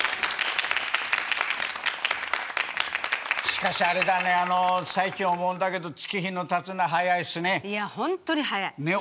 しかしあれだねあの最近思うんだけど月日のたつのは早いっすね。